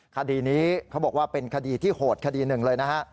คดีนี้เขาบอกว่าเป็นคดีที่โหดคดีหนึ่งเลยนะฮะ